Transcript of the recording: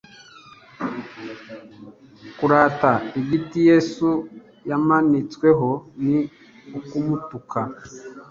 kurata igiti yesu yamanitsweho ni ukumutuka